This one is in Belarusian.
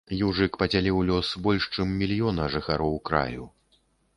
Южык падзяліў лёс больш чым мільёна жыхароў краю.